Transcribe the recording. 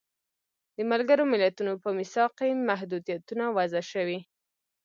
د ملګرو ملتونو په میثاق کې محدودیتونه وضع شوي.